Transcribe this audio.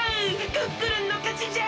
クックルンのかちじゃ！